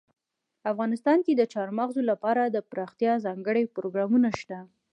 افغانستان کې د چار مغز لپاره دپرمختیا ځانګړي پروګرامونه شته.